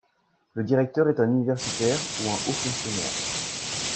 Le Directeur est un universitaire ou un haut fonctionnaire.